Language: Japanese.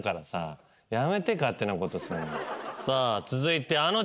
さあ続いて。